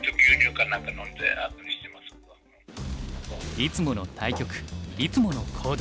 いつもの対局いつもの行動。